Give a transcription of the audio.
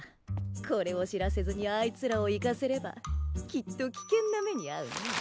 これを知らせずにあいつらを行かせればきっと危険な目にあうね。